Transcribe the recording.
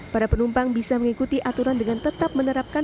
para penumpang bisa mengikuti aturan dengan tetap menerapkan